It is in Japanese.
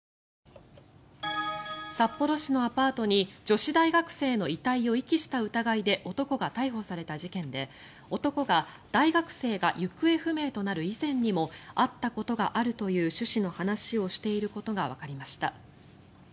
札幌市のアパートに女子大学生の遺体を遺棄した疑いで男が逮捕された事件で男が大学生が行方不明となる以前にも会ったことがあるという趣旨の話をしていることがわかりました。